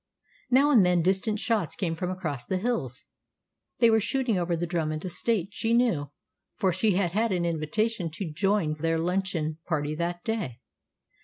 Now and then distant shots came from across the hills. They were shooting over the Drummond estate, she knew, for she had had an invitation to join their luncheon party that day.